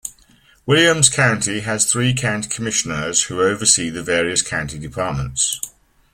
Williams County has three county commissioners who oversee the various county departments.